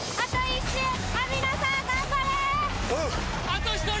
あと１人！